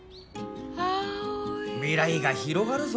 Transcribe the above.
未来が広がるぞ。